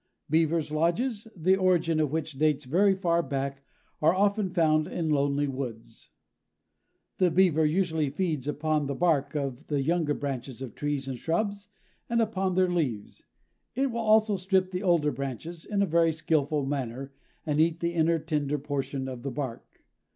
Beavers' lodges, the origin of which dates very far back, are often found in lonely woods." The Beaver usually feeds upon the bark of the younger branches of trees and shrubs and upon their leaves. It will also strip the older branches, in a very skillful manner, and eat the inner tender portion of the bark.